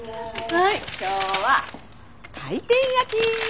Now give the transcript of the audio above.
はい今日は回転焼き！